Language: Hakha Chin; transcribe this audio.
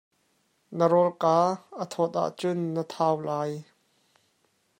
Na rawlka a thawt ahcun na thau lai.